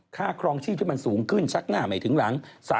ครองชีพที่มันสูงขึ้นชักหน้าไม่ถึงหลัง